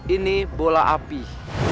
ini bola api